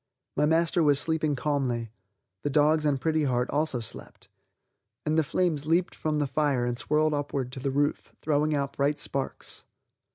My master was sleeping calmly; the dogs and Pretty Heart also slept, and the flames leaped from the fire and swirled upward to the roof, throwing out bright sparks.